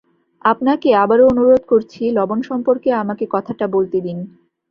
আপনাকে আবারো অনুরোধ করছি লবণ সম্পর্কে আমাকে কথাটা বলতে দিন।